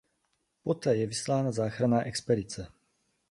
Poté je vyslána záchranná expedice.